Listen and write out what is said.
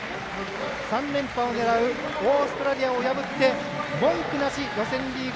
３連覇を狙うオーストラリアを破って文句なし予選リーグ